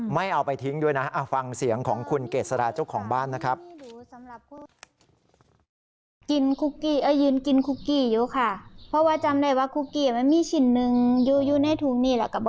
เอาไปทิ้งด้วยนะฟังเสียงของคุณเกษราเจ้าของบ้านนะครับ